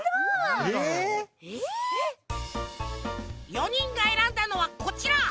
４にんがえらんだのはこちら。